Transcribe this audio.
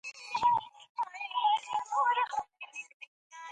یو انګلیسي تاجر د لارو د بندېدو په اړه لیکنه کړې ده.